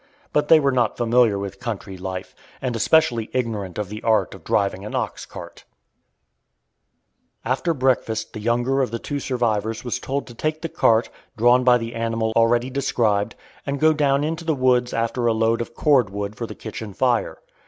But they were not familiar with country life, and especially ignorant of the art of driving an ox cart. [Illustration: Bull Team] After breakfast the younger of the two survivors was told to take the cart, drawn by the animal already described, and go down into the woods after a load of cord wood for the kitchen fire.